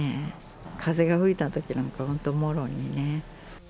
風が吹いたときなんか、本当もろにね。